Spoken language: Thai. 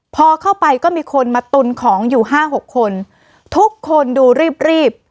พอเข้าไปก็มีคนมาตุนของอยู่ห้าหกคนทุกคนดูรีบรีบ